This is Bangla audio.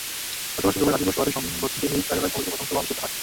গতকাল শুক্রবার গাজীপুর শহরে সংগঠনটির নিজ কার্যালয়ে কমিটির প্রথম সভা অনুষ্ঠিত হয়।